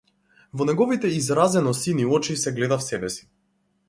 Во неговите изразено сини очи се гледав себеси.